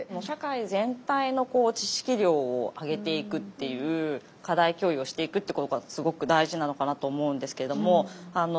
社会全体の知識量を上げていくっていう課題共有をしていくってことがすごく大事なのかなと思うんですけれども。